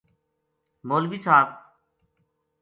مولوی صاحب